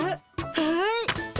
はい。